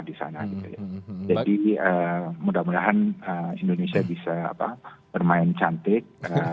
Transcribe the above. jadi mudah mudahan indonesia bisa bermain cantik